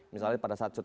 misalnya pada saat